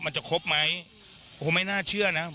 มันจะครบไหมไม่น่าเชื่อนะ